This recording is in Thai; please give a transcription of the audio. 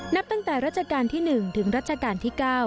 นับตั้งแต่รัชกาลที่๑ถึงรัชกาลที่๙